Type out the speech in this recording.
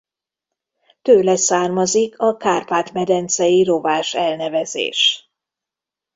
Tőle származik a kárpát-medencei rovás elnevezés.